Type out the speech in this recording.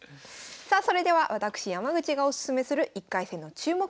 さあそれでは私山口がおすすめする１回戦の注目